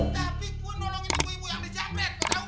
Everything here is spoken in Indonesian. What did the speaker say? tapi gue nolongin ibu ibu yang di jamret tau gak